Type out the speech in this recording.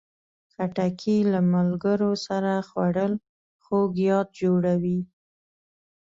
خټکی له ملګرو سره خوړل خوږ یاد جوړوي.